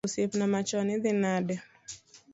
Osiepna machon, idhi nade?